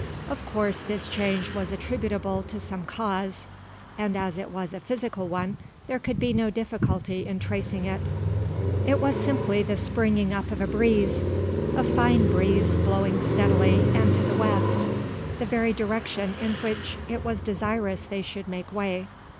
Of coarse this change was attributable to some cause; and as it was a physical one, there could be no difficulty in tracing it. It was simply the springing up of a breeze, a fine breeze blowing steadily, and to the west, the very direction in which it was desirous they should make way.